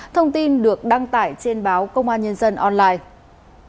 thông tin được đăng tải trên báo công an nhân dân online